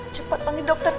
cepat panggil dokter